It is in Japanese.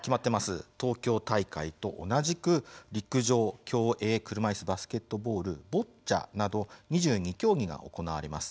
東京大会と同じく、陸上競泳、車いすバスケットボールボッチャなど２２競技が行われます。